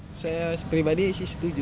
untuk perpanjangan sih saya kurang lebih setuju